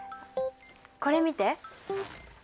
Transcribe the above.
これ見て。